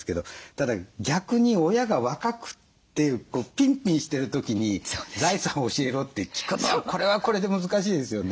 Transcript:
ただ逆に親が若くてピンピンしてる時に財産を教えろって聞くのはこれはこれで難しいですよね。